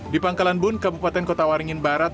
di pangkalan bun kabupaten kota waringin barat